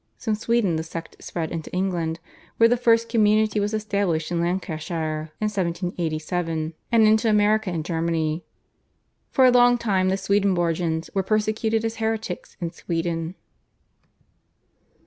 From Sweden the sect spread into England, where the first community was established in Lancashire in 1787, and into America and Germany. For a long time the Swedenborgians were persecuted as heretics in Sweden.